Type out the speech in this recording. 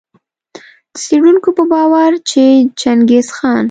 د څېړونکو په باور چي چنګیز خان